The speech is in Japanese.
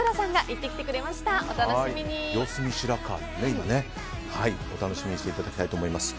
お楽しみにしていただきたいと思います。